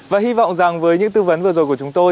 và hy vọng rằng với những tư vấn vừa rồi của chúng tôi